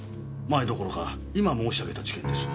マエどころか今申し上げた事件です。